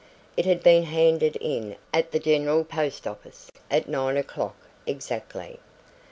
It had been handed in at the General Post Office at nine o'clock exactly.